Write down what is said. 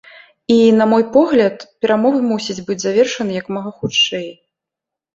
І, на мой погляд, перамовы мусяць быць завершаны як мага хутчэй.